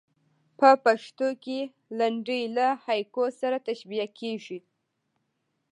په پښتو کښي لنډۍ له هایکو سره تشبیه کېږي.